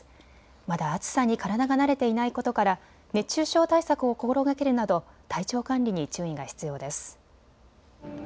まだ暑さに体が慣れていないことから熱中症対策を心がけるなど体調管理に注意が必要です。